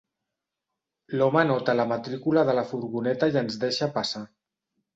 L'home anota la matrícula de la furgoneta i ens deixa passar.